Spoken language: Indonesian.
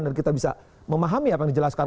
dan kita bisa memahami apa yang dijelaskan